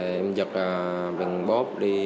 em giật bằng bóp đi